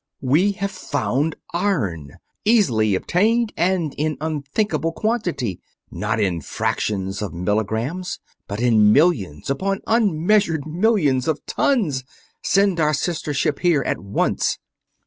"We have found iron easily obtained and in unthinkable quantity not in fractions of milligrams, but in millions upon unmeasured millions of tons! Send our sister ship here at once!"